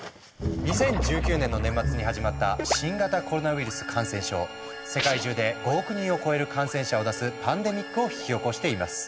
２０１９年の年末に始まった世界中で５億人を超える感染者を出すパンデミックを引き起こしています。